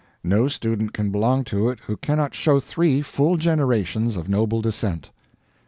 No student can belong to it who cannot show three full generations of noble descent.